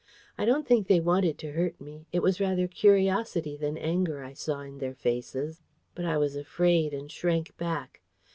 I don't think they wanted to hurt me: it was rather curiosity than anger I saw in their faces. But I was afraid, and shrank back.